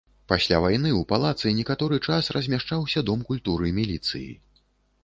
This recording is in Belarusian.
Пасля вайны ў палацы некаторы час размяшчаўся дом культуры міліцыі.